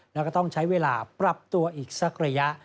แล้วก็ต้องใช้เวลาปรับตัวอีกสักระยะ